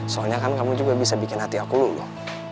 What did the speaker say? soalnya kan kamu juga bisa bikin hati aku luluh